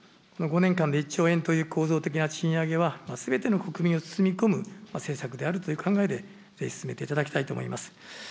５年間で１兆円という構造的な賃上げはすべての国民を包み込む政策であるという考えで、ぜひ進めていっていただきたいと思います。